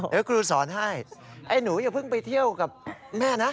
เดี๋ยวครูสอนให้ไอ้หนูอย่าเพิ่งไปเที่ยวกับแม่นะ